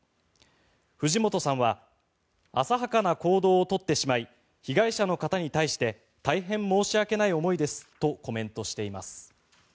藤本さんは浅はかな行動を取ってしまい被害者の方に対して大変申し訳ない思いですとコメントしています。